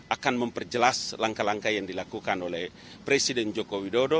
akan memperjelas langkah langkah yang dilakukan oleh presiden joko widodo